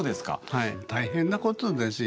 はい大変なことですよ。